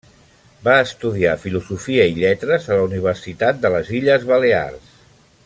Va estudiar Filosofia i Lletres a la Universitat de les Illes Balears.